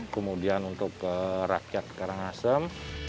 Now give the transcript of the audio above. kemudian untuk rakyat karangasem